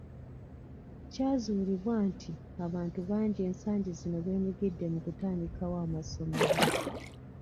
Kyazuulibwa nti abantu bangi ensangi zino beenyigidde mu kutandikawo amasomera.